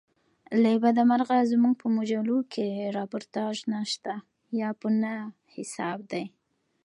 له بده مرغه زموږ په مجلوکښي راپورتاژ نسته یا په نه حساب دئ.